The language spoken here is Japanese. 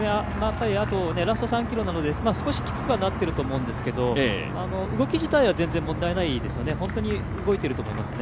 ラスト３ｋｍなので少しきつくはなっていると思うんですけど動き自体は全然問題ないですよね、本当に動いていると思いますね。